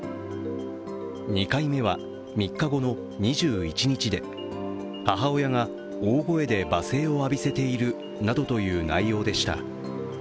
２回目は３日後の２１日で母親が大声で罵声を浴びせているなどという内容でした。